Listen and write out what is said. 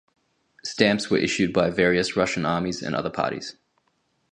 Stamps were issued by various Russian armies and other parties.